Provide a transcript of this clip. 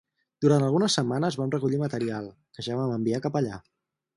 Durant algunes setmanes vam recollir material, que ja vam enviar cap allà.